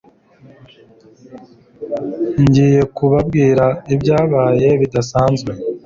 Ngiye kubabwira ibyabaye bidasanzwe.